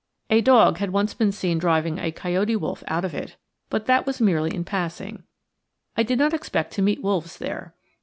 A dog had once been seen driving a coyote wolf out of it, but that was merely in passing. I did not expect to meet wolves there.